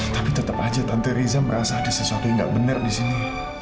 tapi tetap aja tante riza merasa ada sesuatu yang tidak benar di sini